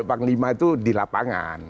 panglima itu di lapangan